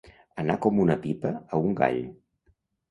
Anar com una pipa a un gall.